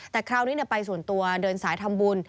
แต่คราวนี้ไปส่วนตัวเดินสายทำบุญ